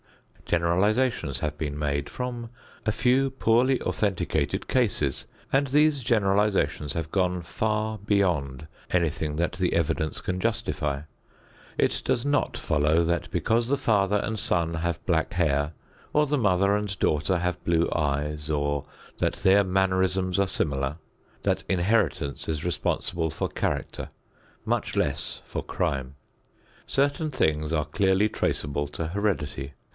Generalizations have been made from a few poorly authenticated cases, and these generalizations have gone far beyond anything that the evidence can justify. It does not follow that because the father and son have black hair, or the mother and daughter have blue eyes, or that their mannerisms are similar, that inheritance is responsible for character, much less for crime. Certain things are clearly traceable to heredity.